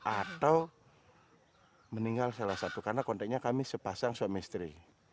atau meninggal salah satu karena konteknya kami sepasang suami istri